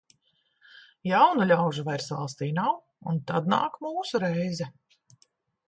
Jaunu ļaužu vairs valstī nav, un tad nāk mūsu reize.